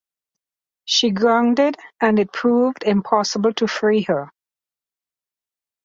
She grounded and it proved impossible to free her.